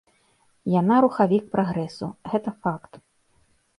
Яна рухавік прагрэсу, гэта факт.